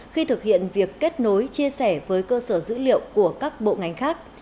khi thực hiện việc kết nối chia sẻ với cơ sở dữ liệu của các bộ ngành khác